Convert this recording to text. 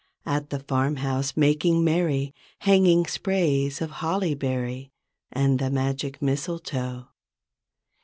At the farmhouse making merry. Hanging sprays of holly berry And the magic mistletoe.